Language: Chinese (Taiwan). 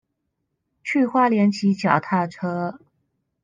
去花蓮騎腳踏車